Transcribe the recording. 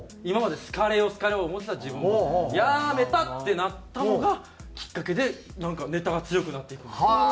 今まで好かれよう好かれよう思ってた自分もやーめた！ってなったのがきっかけでなんかネタが強くなっていくんですよ。